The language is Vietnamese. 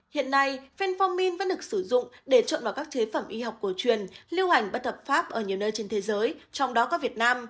hiện nay fenmin vẫn được sử dụng để chọn vào các chế phẩm y học cổ truyền lưu hành bất hợp pháp ở nhiều nơi trên thế giới trong đó có việt nam